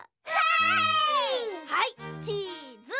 はいチーズ。